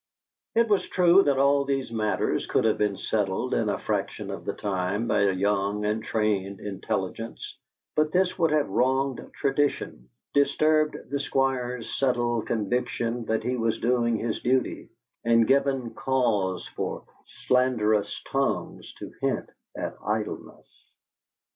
It was true that all these matters could have been settled in a fraction of the time by a young and trained intelligence, but this would have wronged tradition, disturbed the Squire's settled conviction that he was doing his duty, and given cause for slanderous tongues to hint at idleness.